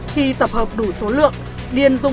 khi tập hợp đủ số lượng điên dụng